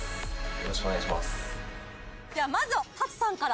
よろしくお願いします